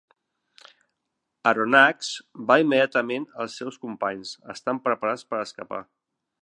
Aronnax va immediatament als seus companys, estan preparats per escapar.